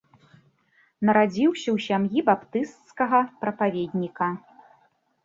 Нарадзіўся ў сям'і баптысцкага прапаведніка.